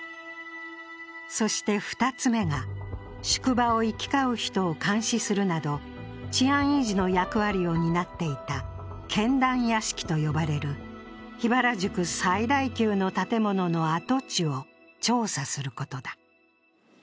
そして２つ目が、宿場を行き交う人を監視するなど治安維持の役割を担っていた検断屋敷と呼ばれる桧原宿最大級の建物の跡地を調査することだ。